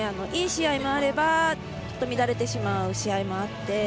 いい試合もあればちょっと乱れてしまう試合もあって。